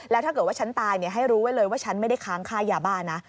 ถ้าฉันตายให้รู้ไว้เลยว่าฉันไม่ได้ค้างค่ายบ้านนะ